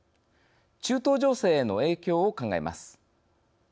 中東情勢への影響を考えます。